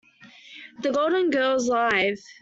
The Golden Girls: Live!